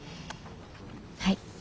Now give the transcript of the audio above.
はい。